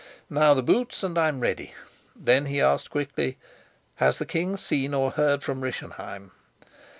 "Now the boots, and I'm ready." Then he asked quickly, "Has the king seen or heard from Rischenheim?"